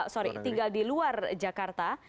sorry tinggal di luar jakarta